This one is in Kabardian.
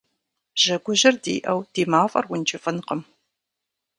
Жьэгужьыр диӏэу ди мафӏэр ункӏыфӏынкъым.